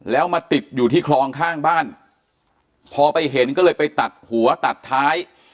แล้วมาติดอยู่ที่คลองข้างบ้านพอไปเห็นก็เลยไปตัดหัวตัดท้าย